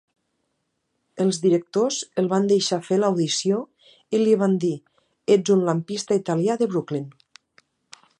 Els directors el van deixar fer l'audició i li van dir: "Ets un lampista italià de Brooklyn".